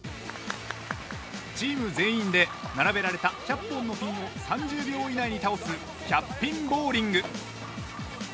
チーム全員で並べられた１００本のピンを１０秒以内に倒す１００ピンボウリング。